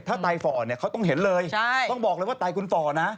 ถ้าไต้ฟอกเขาต้องเห็นเลยต้องบอกเลยว่าไต้คุณฟอกนะ